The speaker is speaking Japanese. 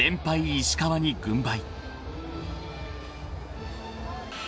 石川に軍配］